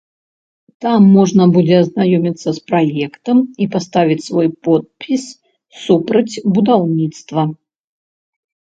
Там можна будзе азнаёміцца з праектам і паставіць свой подпіс супраць будаўніцтва.